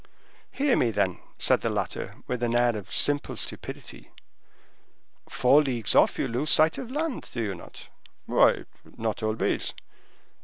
"Hear me, then," said the latter with an air of simple stupidity; "four leagues off you lose sight of land, do you not?" "Why, not always."